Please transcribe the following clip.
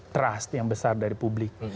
trust yang besar dari publik